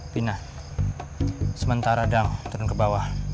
pina sementara dang turun ke bawah